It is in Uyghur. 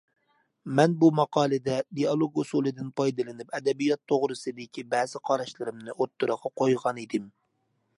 مەن بۇ ماقالىدە دىئالوگ ئۇسۇلىدىن پايدىلىنىپ ئەدەبىيات توغرىسىدىكى بەزى قاراشلىرىمنى ئوتتۇرىغا قويغانىدىم.